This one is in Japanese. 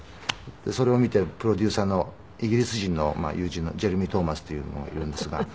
それを見てプロデューサーのイギリス人の友人のジェレミー・トーマスっていうのがいるんですが。